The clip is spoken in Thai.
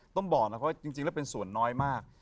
ต้องบอกนะครับว่าจริงแล้วเป็นส่วนน้อยมาก